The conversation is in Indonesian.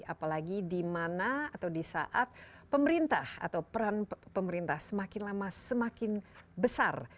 apalagi di mana atau di saat pemerintah atau peran pemerintah semakin lama semakin besar